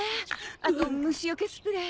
あと虫よけスプレー。